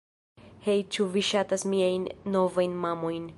Hej' ĉu vi ŝatas miajn novajn mamojn